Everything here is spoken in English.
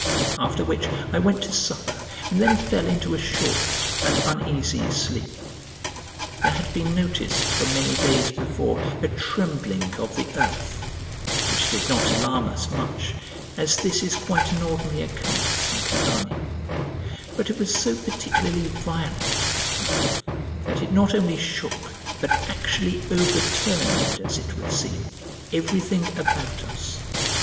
After which I went to supper, and then fell into a short and uneasy sleep. There had been noticed for many days before a trembling of the earth, which did not alarm us much, as this is quite an ordinary occurrence in Campania; but it was so particularly violent that night that it not only shook but actually overturned, as it would seem, everything about us.